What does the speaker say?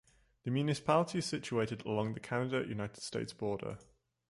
The municipality is situated along the Canada-United States border.